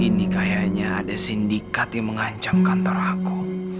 ini kayaknya ada sindikat yang mengancam kantor aku